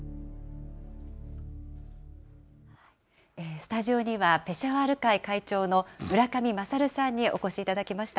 スタジオには、ペシャワール会会長の村上優さんにお越しいただきました。